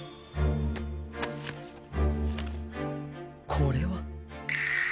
これは。